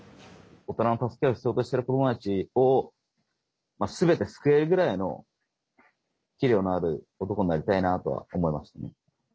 大人の助けを必要としてる子どもたちを全て救えるぐらいの器量のある男になりたいなとは思います。